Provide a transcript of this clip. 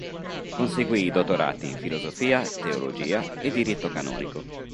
Conseguì i dottorati in filosofia, teologia e diritto canonico.